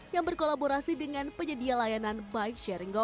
yang berkolaborasi dengan penyedia layanan bike sharing golf